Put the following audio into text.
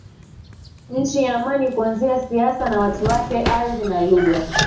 Nchi ya Amani Kuanzia siasa na watu wake ardhi na lugha